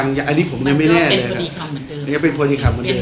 ยังยังอันนี้ผมยังไม่แน่เลยครับมันก็เป็นพอดีคำเหมือนเดิมยังเป็นพอดีคำเหมือนเดิมครับ